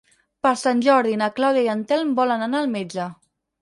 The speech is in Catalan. Per Sant Jordi na Clàudia i en Telm volen anar al metge.